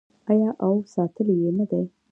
آیا او ساتلی یې نه دی؟